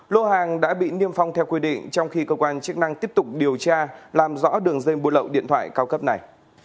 lô hàng đã bị niêm phong theo quy định trong khi cơ quan chức năng tiếp tục điều tra làm rõ đường dây buôn lậu điện thoại cao cấp này